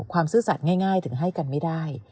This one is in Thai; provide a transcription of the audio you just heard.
ซื่อสัตว์ง่ายถึงให้กันไม่ได้